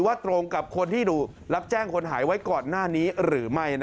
ตรงกับคนที่รับแจ้งคนหายไว้ก่อนหน้านี้หรือไม่